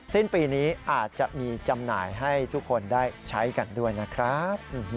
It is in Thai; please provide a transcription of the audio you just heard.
สิ้นปีนี้อาจจะมีจำหน่ายให้ทุกคนได้ใช้กันด้วยนะครับ